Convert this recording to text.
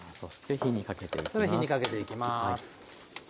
火にかけていきます。